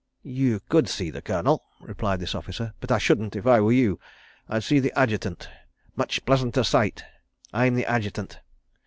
"You could see the Colonel," replied this officer, "but I shouldn't, if I were you. I'd see the Adjutant. Much pleasanter sight. I'm the Adjutant.